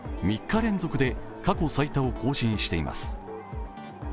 ３日連続で過去最多を更新しています。